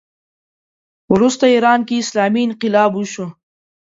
وروسته ایران کې اسلامي انقلاب وشو